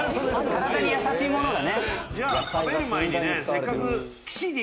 ・体に優しいものだね。